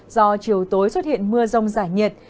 do chiều tối xuất hiện mưa rông giải nhiệt